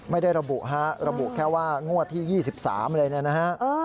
ไม่ได้ระบุระบุแค่ว่างวดที่๒๓เลยนะฮะ